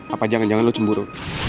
apa jangan jangan lo cemburu